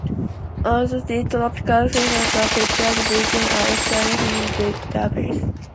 All of these tropical cyclones are featured within the Atlantic hurricane database.